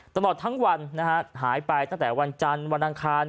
ตลอดทั้งวันนะฮะหายไปตั้งแต่วันจันทร์วันอังคาร